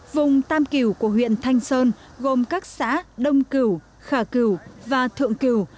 vùng tam cửu của huyện thanh sơn gồm các xã đông cửu khả cửu và thượng cửu